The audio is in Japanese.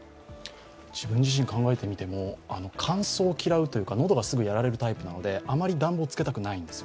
自分自身考えてみても乾燥を嫌うというか、喉をやられるタイプなので余り暖房をつけたくないんです。